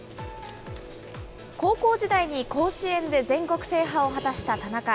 高校時代に甲子園で全国制覇を果たした田中。